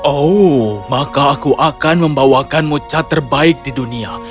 oh maka aku akan membawakanmu cat terbaik di dunia